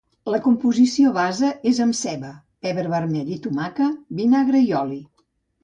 La composició base és amb ceba, pebre vermell i tomàquet, vinagre i oli.